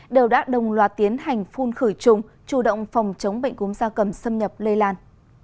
đều đã đồng loạt tiến hành phun khử trùng chủ động phòng chống bệnh cúm da cầm xâm nhập lây lan